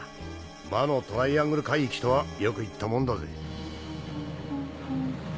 魔のトライアングル海域とはよく言っもんだぜ。